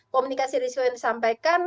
komunikasi risiko yang disampaikan